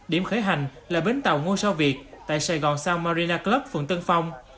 điểm khởi hành là bến tàu ngôi sao việt tại sài gòn soun marina club phường tân phong